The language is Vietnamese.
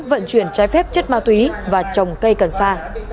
vận chuyển trái phép chất ma túy và trồng cây cần sa